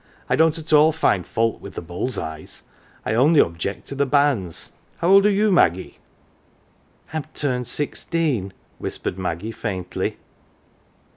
I don't at all find fault with the bull's eyes I only object to the banns. How old are you, Maggie ?"" I'm turned sixteen," whispered Maggie, faintly.